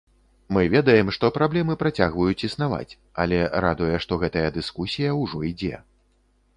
Мы ведаем, што праблемы працягваюць існаваць, але радуе, што гэтая дыскусія ўжо ідзе.